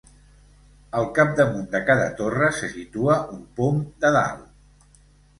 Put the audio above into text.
Al capdamunt de cada torre se situa un pom de dalt.